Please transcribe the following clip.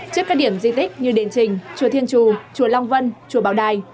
trước các điểm di tích như đền trình chùa thiên chù chùa chùa long vân chùa bảo đài